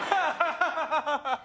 ハハハ。